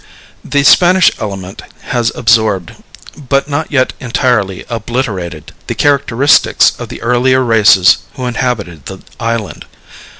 The Spanish element has absorbed, but not yet entirely obliterated, the characteristics of the earlier races who inhabited the island.